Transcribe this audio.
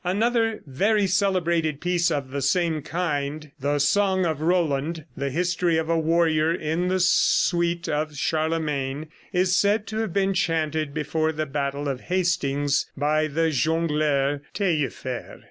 Another very celebrated piece of the same kind, the "Song of Roland," the history of a warrior in the suite of Charlemagne, is said to have been chanted before the battle of Hastings by the Jongleur Taillefer.